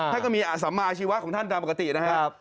แล้วก็มีอาสมาชีวะของท่านปกตินะครับ